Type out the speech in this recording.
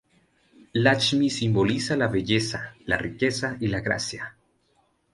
Lakshmi simboliza la belleza, la riqueza y la gracia.